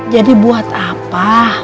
jadi buat apa